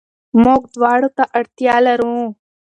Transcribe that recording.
موږ دواړو ته اړتيا لرو.